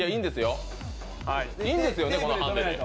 いいんですよね、このハンデで。